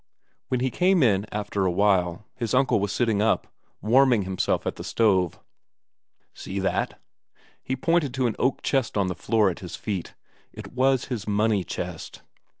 When he came in after a while, his uncle was sitting up, warming himself at the stove. "See that?" He pointed to an oak chest on the floor at his feet. It was his money chest.